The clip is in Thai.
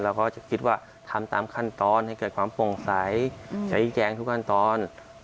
เราก็คิดว่าทำตามขั้นตอนให้เกิดความโปร่งใสชี้แจงทุกขั้นตอน